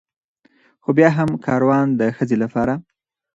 خو بيا هم کاروان د ښځې لپاره